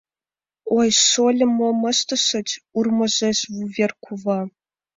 — Ой, шольым, мом ыштышыч? — урмыжеш вувер кува.